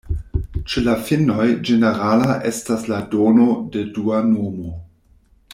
Ĉe la finnoj ĝenerala estas la dono de dua nomo.